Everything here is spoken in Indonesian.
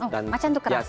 macan itu keras